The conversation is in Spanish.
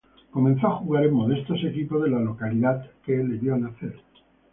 Comenzó a jugar en modestos equipos de la localidad que le vio nacer.